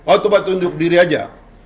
oh coba tunjuk diri aja